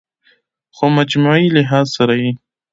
خو مجموعي لحاظ سره ئې